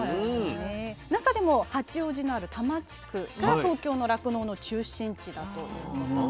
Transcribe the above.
中でも八王子のある多摩地区が東京の酪農の中心地だということです。